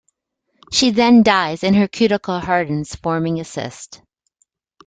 She then dies and her cuticle hardens forming a cyst.